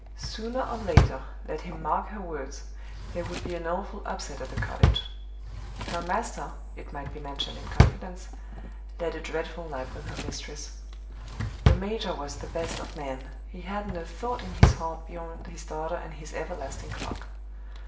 Sooner or later, let him mark her words, there would be an awful "upset" at the cottage. Her master, it might be mentioned in confidence, led a dreadful life with her mistress. The major was the best of men; he hadn't a thought in his heart beyond his daughter and his everlasting clock.